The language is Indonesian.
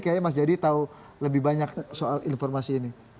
kayaknya mas jayadi tahu lebih banyak soal informasi ini